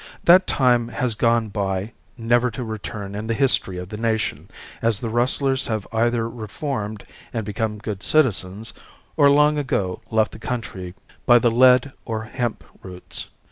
That time has gone by never to return in the history of the nation, as the rustlers have either reformed and become good citizens or long ago left the country by the lead or hemp routes.